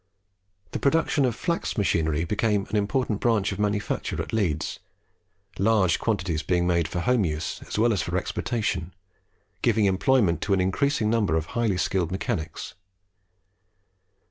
The production of flax machinery became an important branch of manufacture at Leeds, large quantities being made for use at home as well as for exportation, giving employment to an increasing number of highly skilled mechanics.